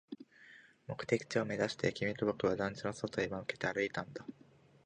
目的地を目指して、君と僕は団地の外へ向けて歩いたんだ